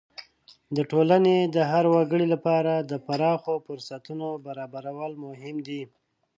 د ټولنې د هر وګړي لپاره د پراخو فرصتونو برابرول مهم دي.